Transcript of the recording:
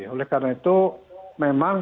oleh karena itu memang